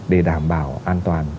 để đảm bảo an toàn